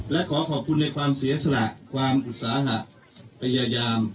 และขอขอบคุณในความเสียสละความอุตสาหะพยายาม